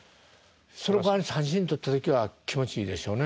そのかわり三振取った時は気持ちいいでしょうね。